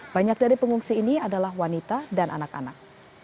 banyak dari pengungsi ini adalah wanita dan anak anak